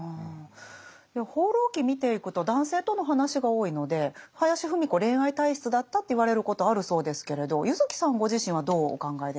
「放浪記」見ていくと男性との話が多いので林芙美子恋愛体質だったって言われることあるそうですけれど柚木さんご自身はどうお考えですか？